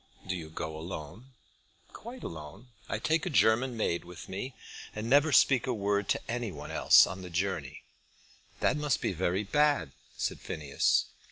"Do you go alone?" "Quite alone. I take a German maid with me, and never speak a word to any one else on the journey." "That must be very bad," said Phineas.